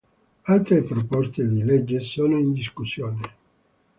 Altre proposte di legge sono in discussione.